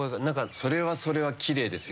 それはそれはきれいですよ。